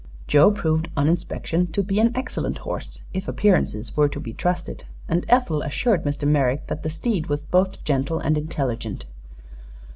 Joe proved on inspection to be an excellent horse, if appearances were to be trusted, and Ethel assured Mr. Merrick that the steed was both gentle and intelligent.